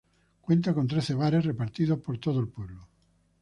Cuenta con trece bares repartidos por todo el pueblo.